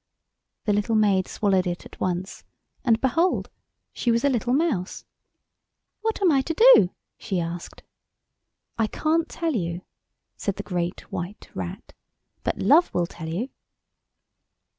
The little maid swallowed it at once, and, behold! she was a little mouse. "What am I to do?" she asked. "I can't tell you," said the Great White Rat, "but Love will tell you."